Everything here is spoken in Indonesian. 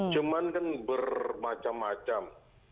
cuman kan bermacam macam